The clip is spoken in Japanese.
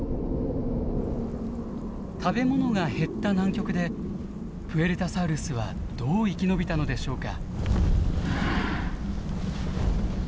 食べ物が減った南極でプエルタサウルスはどう生き延びたのでしょうか。